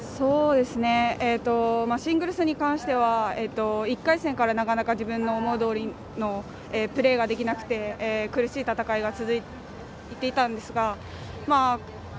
シングルスに関しては１回戦からなかなか自分の思うとおりのプレーができなくて苦しい戦いが続いていたんですけど。